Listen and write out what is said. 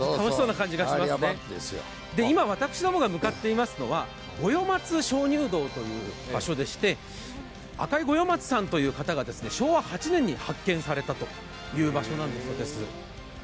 今、私どもが向かっている場所は五代松鍾乳洞というところでして赤井五代松さんという方が昭和８年に発見されたという場所です。